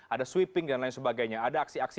ada sweeping dan lain sebagainya ada aksi aksi